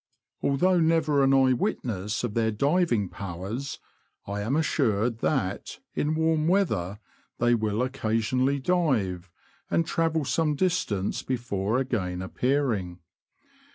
Although never an eye witness of their diving powers, I am assured that, in warm weather, they w'ill occa sionally dive, and travel some distance before again appearing.